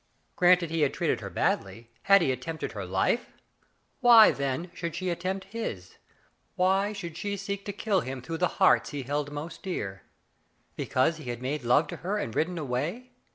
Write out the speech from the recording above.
Granted he had treated her badly, had he attempted her life ? Why, then, should she attempt his? Why should she seek to kill him through the hearts he x6, Digitized by Google i64 "rn^ Pate op penella, held most dear? Because he had made love to her and ridden away?